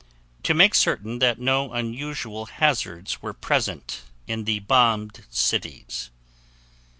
To make certain that no unusual hazards were present in the bombed cities.